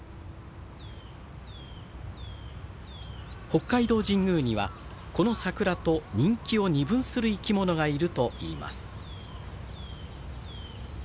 北海道神宮にはこの桜と人気を二分する生き物がいるといいます。